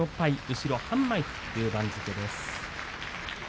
後ろ半枚という番付です。